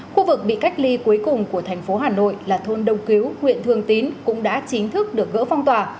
khu vực bị cách ly cuối cùng của thành phố hà nội là thôn đông cứu huyện thường tín cũng đã chính thức được gỡ phong tỏa